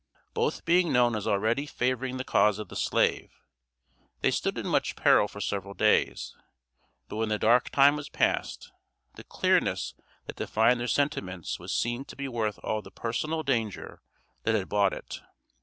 Both being known as already favoring the cause of the slave, they stood in much peril for several days; but when the dark time was passed, the clearness that defined their sentiments was seen to be worth all the personal danger that had bought it.